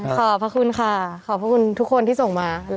ขอบพระคุณค่ะขอบพระคุณทุกคนที่ส่งมา